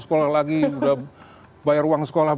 sekolah lagi udah bayar uang sekolah